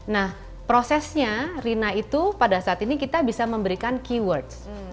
nah prosesnya rina itu pada saat ini kita bisa memberikan keywords